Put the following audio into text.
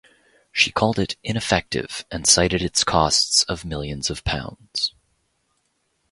She called it ineffective and cited its costs of millions of pounds.